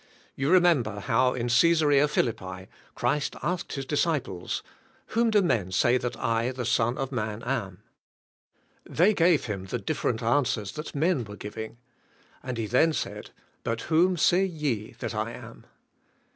You remem^ber how in Caesarea Philippi, Christ asked His disciples, "Whom do men say that I, the 44 THK SPIRII^UAI, I^IFI^. son of man, am?" They g"ave Him the different answers that men were g iving , and He then said, *'But whom say ye that I am?"